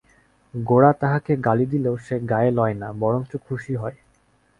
গোরা তাহাকে গালি দিলেও সে গায়ে লয় না, বরঞ্চ খুশি হয়।